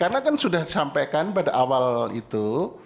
karena kan sudah disampaikan pada awal itu